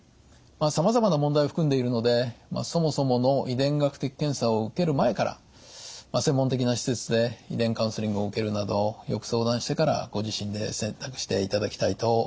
さまざまな問題を含んでいるのでそもそもの遺伝学的検査を受ける前から専門的な施設で遺伝カウンセリングを受けるなどよく相談してからご自身で選択していただきたいと思います。